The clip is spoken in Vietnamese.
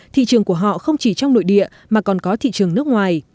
thị trường của họ không chỉ trong nội địa mà còn có thị trường nước ngoài